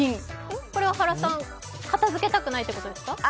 これは原さん片づけたくないってことですか？